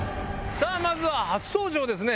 さらにまずは初登場ですね